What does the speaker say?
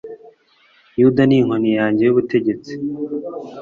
yuda ni inkoni yanjye y'ubutegetsi